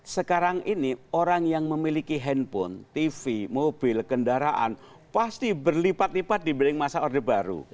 sekarang ini orang yang memiliki handphone tv mobil kendaraan pasti berlipat lipat dibanding masa order baru